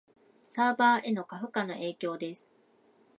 サーバへの過負荷の影響です